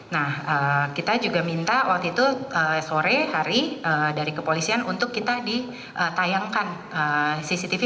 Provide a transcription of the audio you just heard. nah kita juga minta waktu itu sore hari dari kepolisian untuk kita ditayangkan cctv